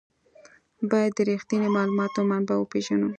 باید د رښتیني معلوماتو منبع وپېژنو.